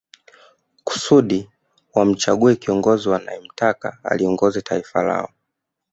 Kusudi wamchague kiongozi wanae mtaka aliongoze taifa lao